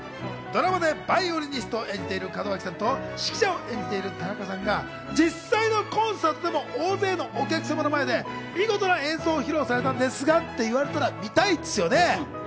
ドラマでヴァイオリニストを演じている門脇さんと、指揮者を演じている田中さんが実際のコンサートも大勢のお客さんの前で見事な演奏を披露されたんですがって言われたら見たいですよね。